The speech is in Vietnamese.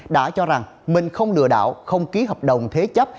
đã cho rằng mình không lừa đảo không ký hợp đồng thế chấp